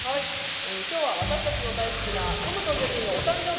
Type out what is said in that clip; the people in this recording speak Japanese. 今日は私たちの大好きなトムとジェリーのお誕生日！